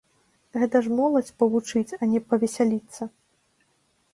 Гэта ж моладзь павучыць, а не павесяліцца!